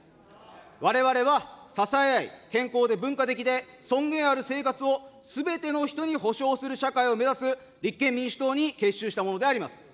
われわれは支え合い、健康で文化的で尊厳ある生活をすべての人に保障する社会を目指す立憲民主党に結集した者であります。